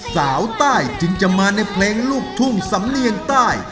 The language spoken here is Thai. สาวใต้จึงจะมาในเพลงลูกทุ่งสำเนียงใต้